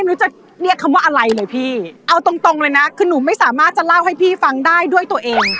หนูจะเรียกคำว่าอะไรเลยพี่เอาตรงตรงเลยนะคือหนูไม่สามารถจะเล่าให้พี่ฟังได้ด้วยตัวเอง